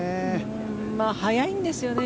速いんですよね